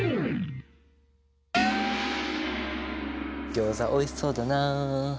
ギョーザおいしそうだな。